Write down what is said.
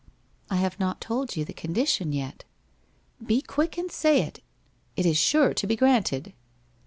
1 I have not told you the condition yet.' ' P>o quick and say it. It is sure to be granted.'